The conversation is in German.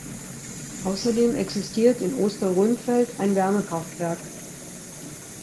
Außerdem existiert in Osterrönfeld ein Wärmekraftwerk.